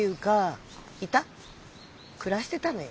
暮らしてたのよ。